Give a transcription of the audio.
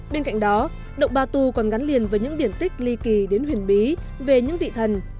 bên cạnh đó động ba tu còn gắn liền với những điển tích ly kỳ đến huyền bí về những vị thần